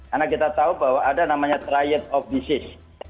karena kita tahu bahwa ada namanya triad of disease